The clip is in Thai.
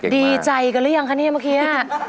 ดีใจกันหรือยังคะเนี่ยเมื่อกี้